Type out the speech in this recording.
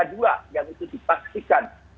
masalahnya asa militer kan watchinginkan internet